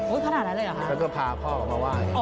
ขนาดนั้นเลยเหรอคะแล้วก็พาพ่อออกมาไหว้